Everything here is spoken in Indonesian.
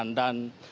dan berkaitan dengan